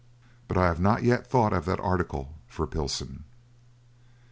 But I have not yet thought of that article for Pilson.